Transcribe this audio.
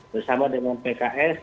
bersama dengan pks